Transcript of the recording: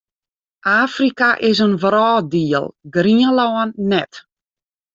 Afrika is in wrâlddiel, Grienlân net.